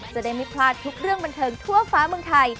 จะได้ไม่พลาดทุกเรื่องบันเทิงทั่วฟ้าเมืองไทย